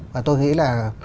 và tôi nghĩ là